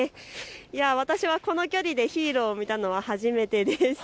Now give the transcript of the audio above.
私はこの距離でヒーローを見たのは初めてです。